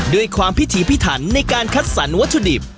ด้วยความพิถีพิถันในการคัดสรรวัตถุดิบ